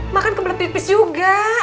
makan kebelet pipis juga